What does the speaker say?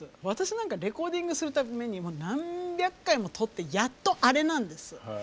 私なんかレコーディングするために何百回も録ってやっとあれなんです。